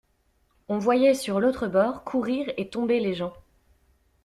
On voyait, sur l'autre bord, courir et tomber les gens.